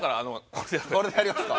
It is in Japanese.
これでやりますか？